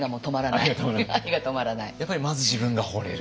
やっぱりまず自分がほれると。